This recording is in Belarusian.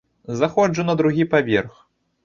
Заходжу на другі паверх.